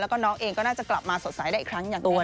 แล้วก็น้องเองก็น่าจะกลับมาสดใสได้อีกครั้งอย่างตัว